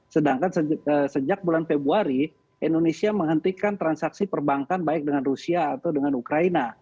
sedangkan sejak bulan februari indonesia menghentikan transaksi perbankan baik dengan rusia atau dengan ukraina